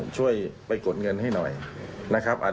ช่วยไปกดเงินให้หน่อยนะครับ